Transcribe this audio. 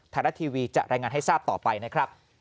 ไทยรัฐทีวีจะรายงานให้ทราบต่อไปนะครับ